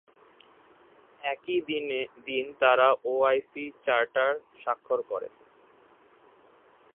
একই দিন তাঁরা ওআইসি চার্টার স্বাক্ষর করেন।